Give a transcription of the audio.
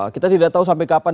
kita tidak tahu sampai kapan